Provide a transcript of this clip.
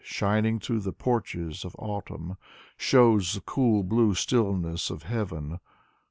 Shining through the porches of autumn, Shows the cool blue stillness of heaven.